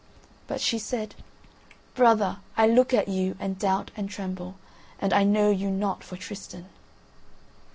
But she said "Brother, I look at you and doubt and tremble, and I know you not for Tristan."